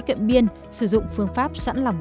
cận biên sử dụng phương pháp sẵn lòng